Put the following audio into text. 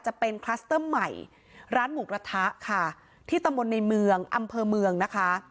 จะเป็นคลัสเติมใหม่ร้านหมูกระทะค่ะที่ตะมนต์ในเมืองอำเภอเมืองนะคะ